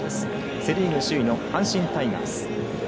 セ・リーグ首位の阪神タイガース。